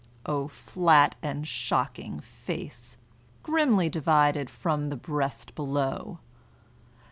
O flat and shocking face, Grimly divided from the breast below!